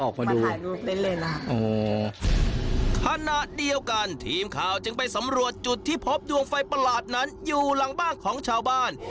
ขณะเดียวกันทีมข่าวจึงไปสำรวจจุดที่พบดวงไฟประหลาดนั้นอยู่หลังบ้านของชาวบ้าน